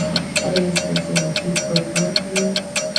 ایا ستاسو وجود به پاک وي؟